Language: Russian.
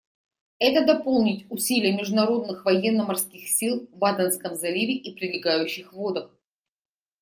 Это дополнит усилия международных военно-морских сил в Аденском заливе и прилегающих водах.